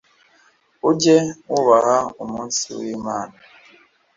Ujye wubaha umunsi w’Imana